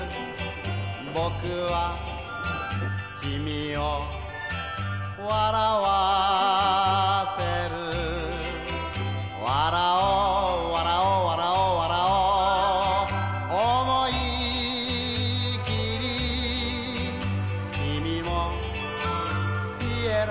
「僕は君を笑わせる」「笑おう笑おう笑おう笑おう」「おもいきり」「君もピエロ」